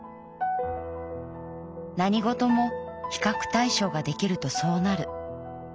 何事も比較対象が出来るとそうなる。